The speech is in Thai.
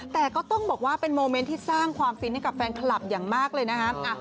แต่ก็ต้องบอกว่าเป็นโมเมนต์ที่สร้างความฟินให้กับแฟนคลับอย่างมากเลยนะคะ